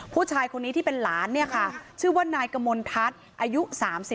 ผู้ชายคนนี้ที่เป็นหลานเนี่ยค่ะชื่อว่านายกมลทัศน์อายุ๓๔